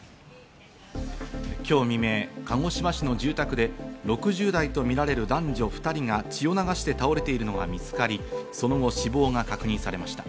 今日未明、鹿児島市の住宅で６０代とみられる男女２人が血を流して倒れているのが見つかり、その後、死亡が確認されました。